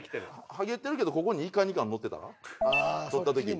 ハゲてるけどここにイカ２貫のってたら取った時に。